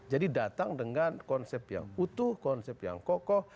jadi datang dengan konsep yang utuh konsep yang kokoh